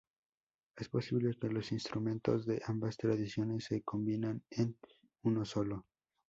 Es posible que los instrumentos de ambas tradiciones se combinan en uno solo.